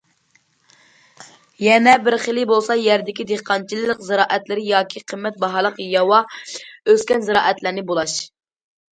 يەنە بىر خىلى بولسا يەردىكى دېھقانچىلىق زىرائەتلىرى ياكى قىممەت باھالىق ياۋا ئۆسكەن زىرائەتلەرنى بۇلاش.